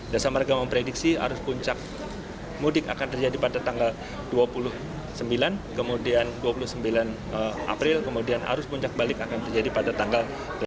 jasa marga memprediksi arus puncak mudik akan terjadi pada tanggal dua puluh sembilan kemudian dua puluh sembilan april kemudian arus puncak balik akan terjadi pada tanggal delapan belas